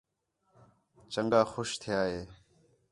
چَنڳا خوش تِھیا ہِے